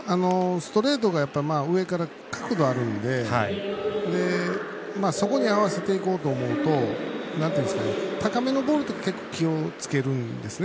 ストレートが上から角度あるんでそこに合わせていこうと思うと高めのボールとか結構、気をつけるんですね